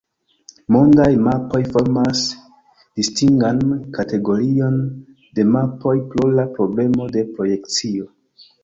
Mondaj mapoj formas distingan kategorion de mapoj pro la problemo de projekcio.